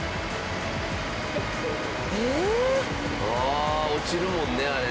えーっ！あっ落ちるもんねあれ。